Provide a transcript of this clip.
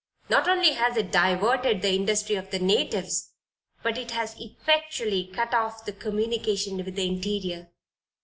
Not only has it diverted the industry of the natives, but it has effectually cut off the communication with the interior.